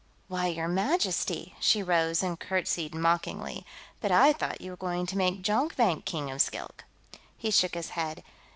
"Why, your Majesty!" She rose and curtsied mockingly. "But I thought you were going to make Jonkvank King of Skilk." He shook his head.